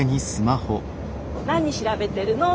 何調べてるの？